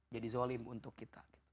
jadi zolim untuk kita